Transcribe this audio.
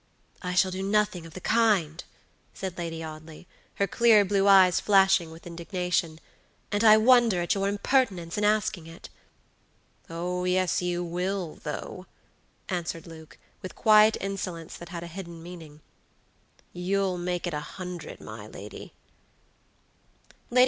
"I shall do nothing of the kind," said Lady Audley, her clear blue eyes flashing with indignation, "and I wonder at your impertinence in asking it." "Oh, yes, you will, though," answered Luke, with quiet insolence that had a hidden meaning. "You'll make it a hundred, my lady."